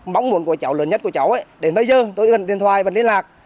mong muốn của cháu lớn nhất của cháu ấy đến bây giờ tôi điện thoại vẫn liên lạc